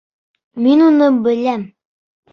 — Мин уны беләм.